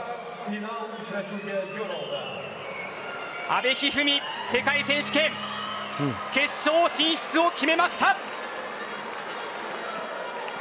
阿部一二三、世界選手権決勝進出を決めました。